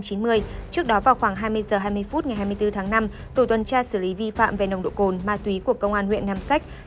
trước đó vào khoảng hai mươi h hai mươi phút ngày hai mươi bốn tháng năm tổ tuần tra xử lý vi phạm về nồng độ cồn ma túy của công an huyện nam sách